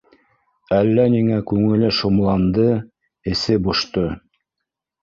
Әллә ниңә күңеле шомланды, эсе бошто